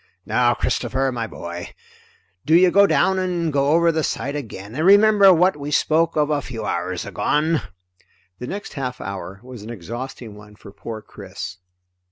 "Now Christopher, my boy, do you go down and go over the side again, and remember what we spoke of a few hours agone!" The next half hour was an exhausting one for poor Chris.